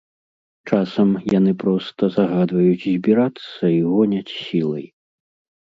Часам яны проста загадваюць збірацца і гоняць сілай.